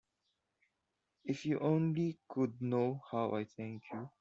If you only could know how I thank you.